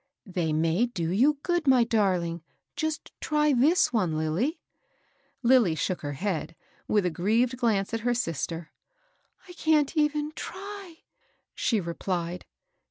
" They may do you good, my darling. Just try this one, Lilly." Lilly shook her head, with a grieved glance at her sister. " I can't even try," she replied.